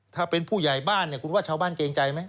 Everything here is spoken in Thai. ถ้าเป็นผู้ใหญ่บ้านเนี่ยคุณว่าชาวบ้านเกรงใจไหม